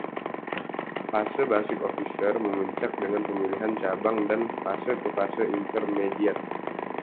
Fase Basic Officer memuncak dengan pemilihan cabang dan fase ke fase Intermediate.